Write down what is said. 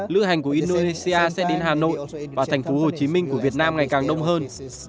lưu hành của indonesia sẽ đến hà nội và thành phố hồ chí minh của việt nam ngày càng đông hơn